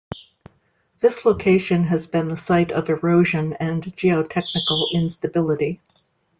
This location has been the site of erosion and geo-technical instability.